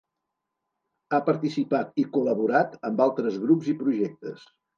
Ha participat i col·laborat amb altres grups i projectes.